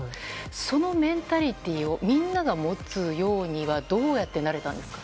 そのメンタリティーをみんなが持つようにはどうやってなれたんですか？